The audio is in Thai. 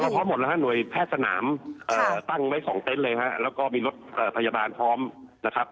พร้อมหมดแล้วฮะหน่วยแพทย์สนามตั้งไว้สองเต็นต์เลยฮะแล้วก็มีรถพยาบาลพร้อมนะครับ